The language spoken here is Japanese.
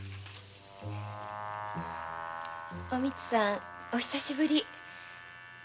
おみつさんお久しぶり。